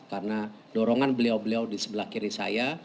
karena dorongan beliau beliau di sebelah kiri saya